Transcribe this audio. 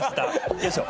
よいしょ。